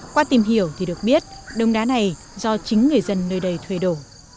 qua tìm hiểu thì được biết đống đá này do chính người dân nơi đây thuê đổ